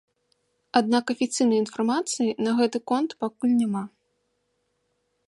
Аднак афіцыйнай інфармацыі на гэты конт пакуль няма.